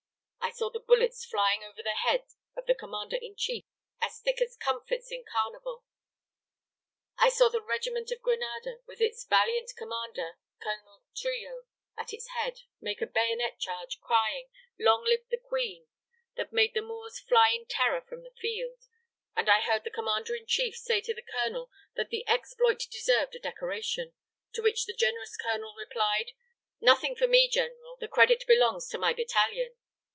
I saw the bullets flying over the head of the commander in chief, as thick as comfits in Carnival. I saw the regiment of Granada, with its valiant commander, Colonel Trillo, at its head, make a bayonet charge crying, 'Long live the Queen!' that made the Moors fly in terror from the field; and I heard the commander in chief say to the colonel, that that exploit deserved a decoration; to which the generous colonel replied: 'Nothing for me, General, the credit belongs to my battalion.'